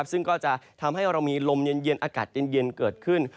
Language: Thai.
ซึ่งก็จะทำให้เรามีลมเย็นอากาศเย็นเกิดขึ้น